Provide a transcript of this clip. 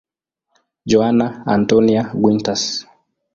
Joana Antónia Quintas.